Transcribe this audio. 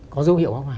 có dấu hiệu bão hỏa